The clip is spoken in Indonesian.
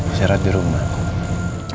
isi rahat di rumah